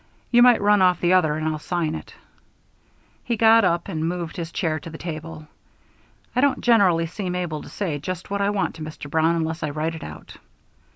You might run off the other and I'll sign it." He got up and moved his chair to the table. "I don't generally seem able to say just what I want to Brown unless I write it out."